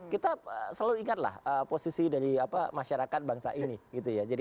kita selalu ingatlah posisi dari masyarakat bangsa ini gitu ya